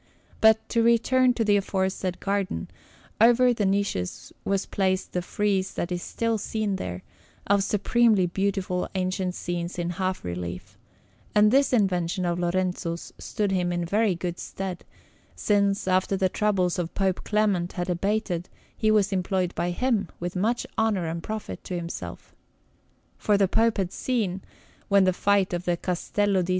But to return to the aforesaid garden: over the niches was placed the frieze that is still seen there, of supremely beautiful ancient scenes in half relief; and this invention of Lorenzo's stood him in very good stead, since, after the troubles of Pope Clement had abated, he was employed by him with much honour and profit to himself. For the Pope had seen, when the fight for the Castello di S.